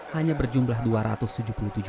hanya berjumlah dua ramai